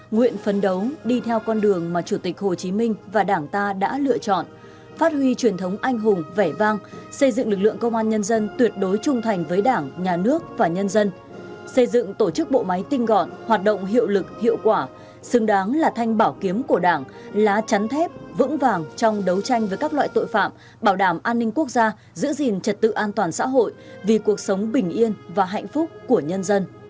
nguyện phấn đấu đi theo con đường mà chủ tịch hồ chí minh và đảng ta đã lựa chọn phát huy truyền thống anh hùng vẻ vang xây dựng lực lượng công an nhân dân tuyệt đối trung thành với đảng nhà nước và nhân dân xây dựng tổ chức bộ máy tinh gọn hoạt động hiệu lực hiệu quả xứng đáng là thanh bảo kiếm của đảng lá chắn thép vững vàng trong đấu tranh với các loại tội phạm bảo đảm an ninh quốc gia giữ gìn trật tự an toàn xã hội vì cuộc sống bình yên và hạnh phúc của nhân dân